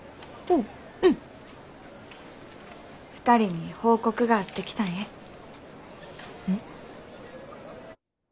２人に報告があって来たんえ。